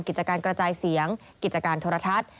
กิจการกระจายเสียงกิจการโทรทัศน์